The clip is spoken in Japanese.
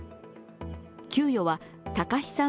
給与は貴志さん